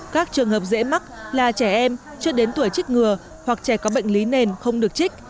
các trường hợp dễ mắc là trẻ em chưa đến tuổi trích ngừa hoặc trẻ có bệnh lý nền không được trích